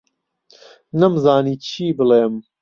نەمزانی چی بڵێم.